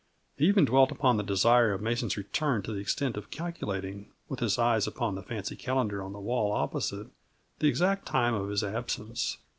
He even dwelt upon the desire of Mason's return to the extent of calculating, with his eyes upon the fancy calendar on the wall opposite, the exact time of his absence.